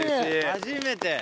初めて。